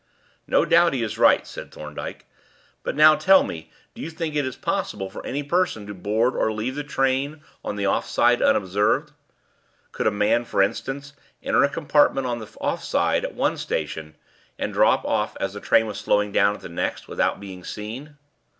"No doubt he is right," said Thorndyke. "But now, tell me, do you think it is possible for any person to board or leave the train on the off side unobserved? Could a man, for instance, enter a compartment on the off side at one station and drop off as the train was slowing down at the next, without being seen?"